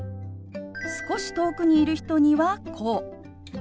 少し遠くにいる人にはこう。